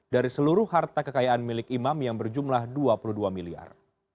dari seluruh harta kekayaan milik imam yang berjumlah dua puluh dua miliar